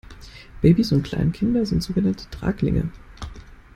Babys und Kleinkinder sind sogenannte Traglinge.